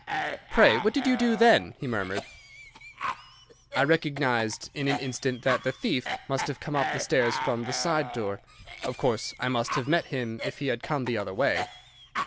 "Pray, what did you do then?" he murmured. "I recognised in an instant that the thief must have come up the stairs from the side door. Of course I must have met him if he had come the other way."